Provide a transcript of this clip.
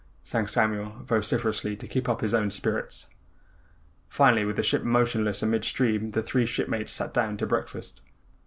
sang Samuel vociferously to keep up his own spirits. Finally with the ship motionless amidstream the three shipmates sat down to breakfast.